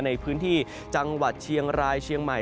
ในพื้นที่จังหวัดเชียงรายเชียงใหม่